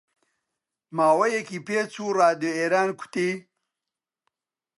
ماوەیەکی پێچوو ڕادیۆ ئێران گوتی: